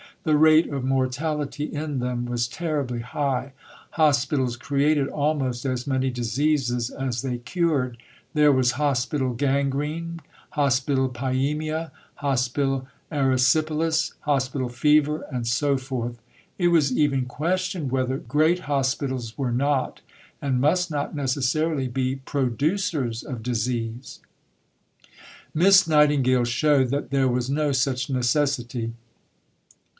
The rate of mortality in them was terribly high. Hospitals created almost as many diseases as they cured; there was hospital gangrene, hospital pyæmia, hospital erysipelas, hospital fever, and so forth. It was even questioned whether great hospitals were not, and must not necessarily be, producers of disease. Miss Nightingale showed that there was no such necessity.